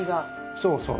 そうそう。